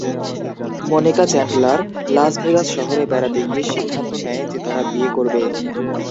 Monica Chandler লাস-ভেগাস শহরে বেড়াতে গিয়ে সিদ্ধান্ত নেয় যে তারা বিয়ে করবে।